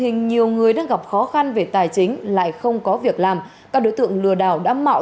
hình nhiều người đang gặp khó khăn về tài chính lại không có việc làm các đối tượng lừa đảo đã mạo